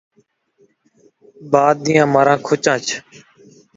ٹٻک دا ݙلھ